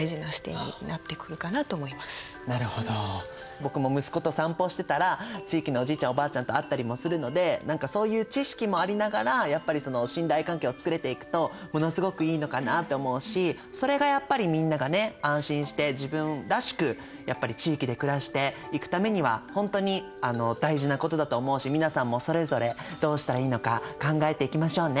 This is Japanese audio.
僕も息子と散歩してたら地域のおじいちゃんおばあちゃんと会ったりもするので何かそういう知識もありながらやっぱりその信頼関係を作れていくとものすごくいいのかなって思うしそれがやっぱりみんながね安心して自分らしくやっぱり地域で暮らしていくためにはほんとに大事なことだと思うし皆さんもそれぞれどうしたらいいのか考えていきましょうね！